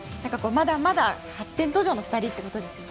まだまだ発展途上の２人ということですね。